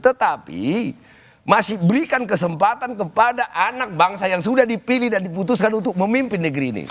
tetapi masih berikan kesempatan kepada anak bangsa yang sudah dipilih dan diputuskan untuk memimpin negeri ini